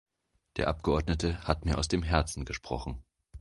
Der Abgeordnete hat mir aus dem Herzen gesprochen.